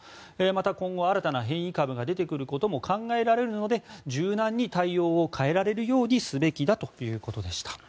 また、今後新たな変異株が出てくることも考えられるので柔軟に対応を変えられるようにすべきだということでした。